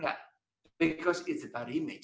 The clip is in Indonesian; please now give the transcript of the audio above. karena itu adalah imej